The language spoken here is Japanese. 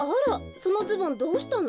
そのズボンどうしたの？